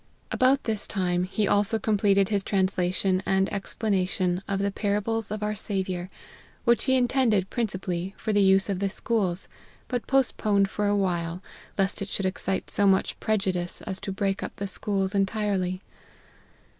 About this time, he also completed his translation and ex planation of the Parables of our Saviour, which he intended, principally, for the use of the schools, but postponed for a while, lest it should excite so much prejudice as to break up the schools entirely.